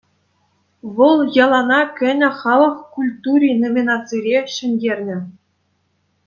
Вӑл «Йӑлана кӗнӗ халӑх культури» номинацире ҫӗнтернӗ.